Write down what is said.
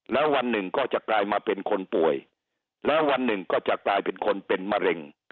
แล้ววันหนึ่งก็จะกลายมาเป็นคนป่วยแล้ววันหนึ่งก็จะกลายเป็นคนเป็นมะเร็ง